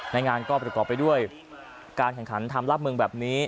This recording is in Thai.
งานก็ประกอบไปด้วยการแข่งขันทำลาบเมืองแบบนี้